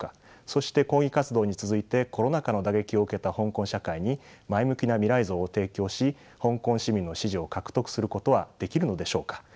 そして抗議活動に続いてコロナ禍の打撃を受けた香港社会に前向きな未来像を提供し香港市民の支持を獲得することはできるのでしょうか。